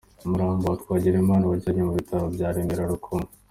Umurambo wa Twagirimana wajyanywe ku Bitaro bya Remera Rukoma.